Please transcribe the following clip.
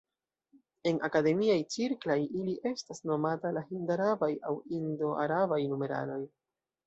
En akademiaj cirklaj ili estas nomata la "Hind-Arabaj" aŭ "Indo-Arabaj" numeraloj.